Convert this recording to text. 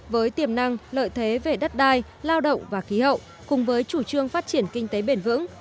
với tiềm năng lợi thế về đất đai lao động và khí hậu cùng với chủ trương phát triển kinh tế bền vững